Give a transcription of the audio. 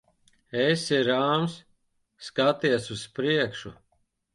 Esi rāms. Skaties uz priekšu.